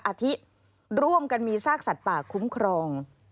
อาทิร่วมกันมีซากสัตว์ป่าคุ้มครอง